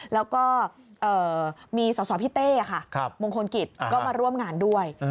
แล้วก็มีสพี่เต้มงคลกฤษก็มาร่วมงานด้วย